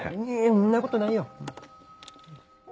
そんなことないよ。